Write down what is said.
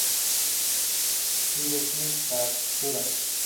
Hideki Katsura